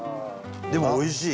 でも、おいしい！